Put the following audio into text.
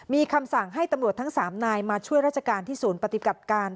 มีคำสั่งให้ตำรวจทั้ง๓นายมาช่วยราชการที่ศูนย์ปฏิบัติการ